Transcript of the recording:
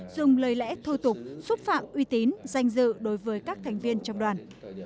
dùng lời lẽ thô tục xúc phạm uy tín danh dự đối với các thành viên trong đoàn